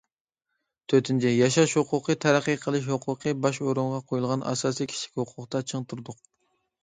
تۆتىنچى، ياشاش ھوقۇقى، تەرەققىي قىلىش ھوقۇقى باش ئورۇنغا قويۇلغان ئاساسىي كىشىلىك ھوقۇقتا چىڭ تۇردۇق.